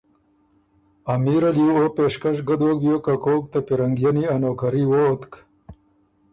امیر ال يې او پېشکش ګه دوک بیوک که کوک ته پیرنګئني ا نوکري ووتک